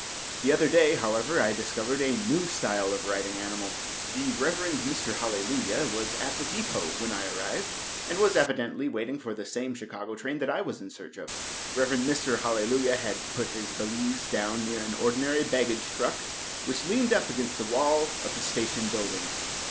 The other day, however, I discovered a new style of riding animal. The Rev. Mr. Hallelujah was at the depot when I arrived, and was evidently waiting for the same Chicago train that I was in search of. Rev. Mr. Hallelujah had put his valise down near an ordinary baggage truck which leaned up against the wall of the station building.